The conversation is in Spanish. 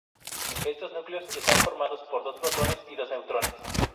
Estos núcleos están formados por dos protones y dos neutrones.